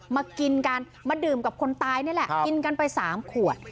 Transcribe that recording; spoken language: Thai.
มากินกันมาดื่มกับคนตายเนี้ยแหละครับกินกันไปสามขวด